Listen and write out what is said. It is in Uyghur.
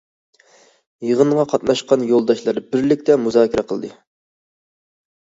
يىغىنغا قاتناشقان يولداشلار بىرلىكتە مۇزاكىرە قىلدى.